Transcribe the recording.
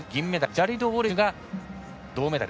ジャリド・ウォレスが銅メダル。